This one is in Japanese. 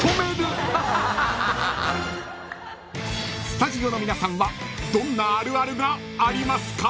［スタジオの皆さんはどんなあるあるがありますか？］